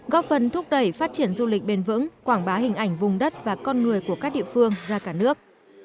góp phần thúc đẩy phát triển du lịch bền vững quảng bá hình ảnh vùng đất và con người của các địa phương ra cả nước